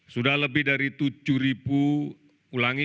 sudah lebih dari tujuh ribu ulangi